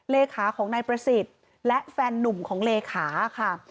เลขาของนายประสิทธิ์และแฟนนุ่มของเลขาค่ะ